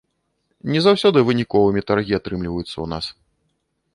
Не заўсёды выніковымі таргі атрымліваюцца ў нас.